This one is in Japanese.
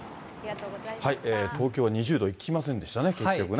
東京２０度いきませんでしたね、結局ね。